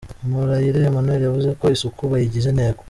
Murayire Emmanuel yavuze ko isuku bayigize intego.